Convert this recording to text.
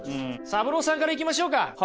サブローさんからいきましょうか。